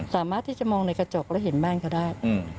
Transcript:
สามารถที่จะมองในกระจกแล้วเห็นบ้านเขาได้